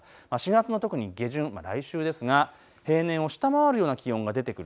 ４月の下旬、来週ですが平年を下回るような気温が出てくる。